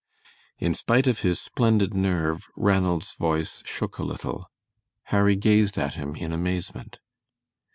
In spite of his splendid nerve Ranald's voice shook a little. Harry gazed at him in amazement.